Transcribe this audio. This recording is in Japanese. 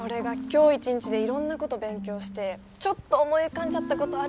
今日一日でいろんなこと勉強してちょっと思い浮かんじゃったことあるんですよね。